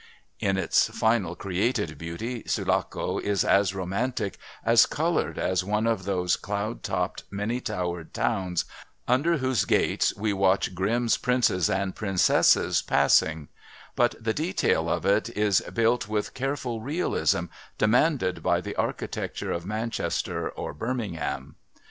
In its final created beauty Sulaco is as romantic, as coloured as one of those cloud topped, many towered towns under whose gates we watch Grimm's princes and princesses passing but the detail of it is built with careful realism demanded by the "architecture of Manchester or Birmingham."